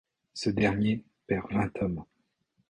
Ce dernier perd vingt hommes.